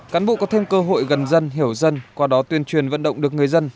cán bộ có thêm cơ hội gần dân hiểu dân qua đó tuyên truyền vận động được người dân